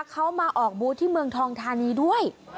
เขามาออกบูธที่เมืองทองทานีด้วย